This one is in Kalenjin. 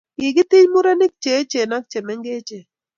kikitiny mung'arenik che echen ak che mengechen